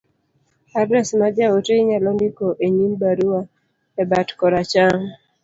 adres ma jaote inyalo ndiko e nyim baruano, e bat koracham,